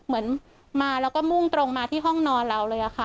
เหมือนมาแล้วก็มุ่งตรงมาที่ห้องนอนเราเลยค่ะ